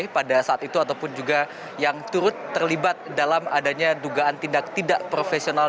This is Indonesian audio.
pada saat itu ataupun juga yang turut terlibat dalam adanya dugaan tindak tidak profesional